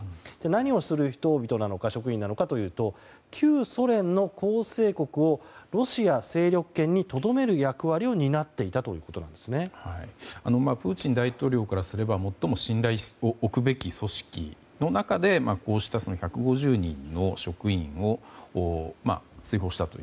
何をする人々なのか職員なのかというと旧ソ連の構成国をロシア勢力圏にとどめる役割をプーチン大統領からすれば最も信頼を置くべき組織の中でこうした１５０人の職員を追放したと。